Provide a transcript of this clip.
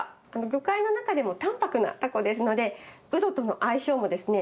魚介の中でも淡泊なタコですのでウドとの相性もですね